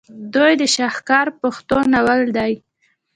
د دوي شاهکار پښتو ناول دے